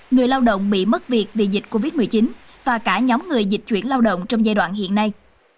người lao động bị mất việc vì dịch covid một mươi chín và cả nhóm người dịch chuyển lao động trong giai đoạn hiện nay